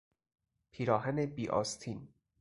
پیراهن بی آستین